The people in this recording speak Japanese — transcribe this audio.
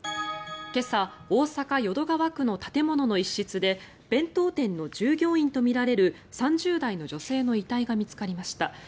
今朝、大阪・淀川区の建物の一室で弁当店の従業員とみられる３０代の女性の遺体が見つかりました。